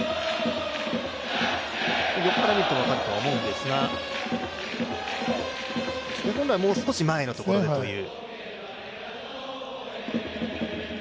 横から見ると分かるとは思うんですが、本来、もう少し前のところでという。